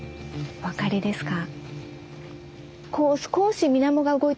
おわかりですか？